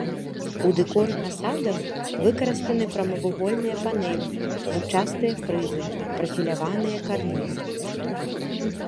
У дэкоры фасадаў выкарыстаны прамавугольныя панэлі, зубчастыя фрызы, прафіляваныя карнізы.